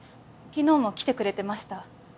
昨日も来てくれてました。